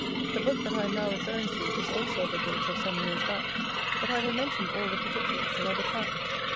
The book that I am now referring to is also of a date of some years back; but I will mention all the particulars another time.